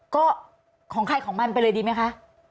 ก็ของใครของมันไปเลยดีไหมคะ